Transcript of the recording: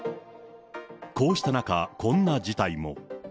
こうした中、こんな事態も。